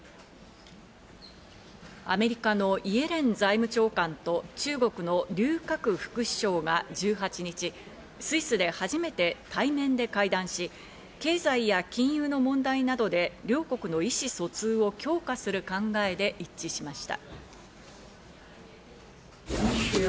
アメリカのイエレン財務長官と、中国のリュウ・カク副首相が１８日、スイスで初めて対面で会談し、経済や金融の問題などで両国の意思疎通を強化する考えで一致しました。